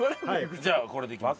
じゃあこれで行きます。